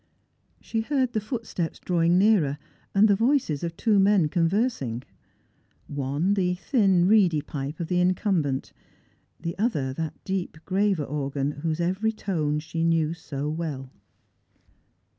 She heard the footsteps drawing nearer, and the voices of two men converf4iig. One, the thin reedy uipe of the incumbent ; 284 Strangers and Pilgrims. tlie other that deep graver organ, whose every tone she knew so well.